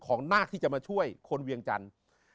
นาคที่จะมาช่วยคนเวียงจันทร์